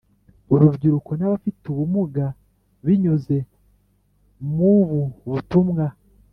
urubyiruko nabafite ubumuga binyuze mububutumwa